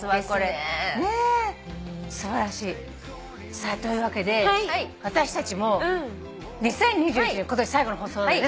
さあというわけで私たちも２０２１年今年最後の放送なのでね